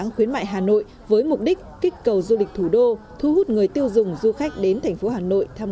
mưa sắm các tour du lịch dịp cuối năm